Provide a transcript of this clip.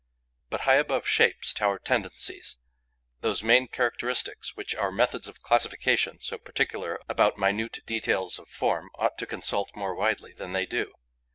But high above shapes tower tendencies, those main characteristics which our methods of classification, so particular about minute details of form, ought to consult more widely than they do.